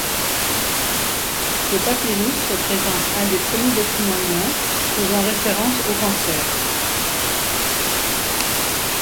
Ce papyrus représente un des premiers documents humains faisant référence au cancer.